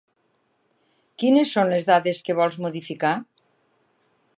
Quines són les dades que vols modificar?